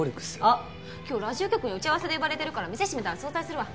あっ今日ラジオ局に打ち合わせで呼ばれてるから店閉めたら早退するわ。